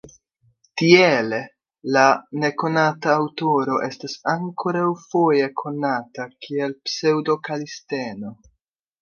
Tiele la nekonata aŭtoro estas ankoraŭ foje konata kiel Pseŭdo-Kalisteno.